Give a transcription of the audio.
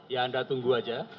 ya anda tunggu aja